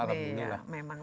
alam ini lah